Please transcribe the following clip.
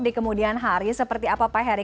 di kemudian hari seperti apa pak heri